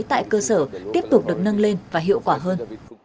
tại cơ sở tiếp tục được nâng lên và hiệu quả hơn